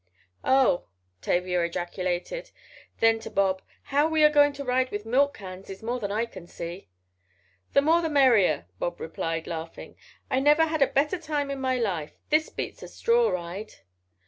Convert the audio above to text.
"Oh," Tavia ejaculated. Then to Bob: "How we are going to ride with milk cans is more than I can see." "The more the merrier," Bob replied, laughing. "I never had a better time in my life. This beats a straw ride."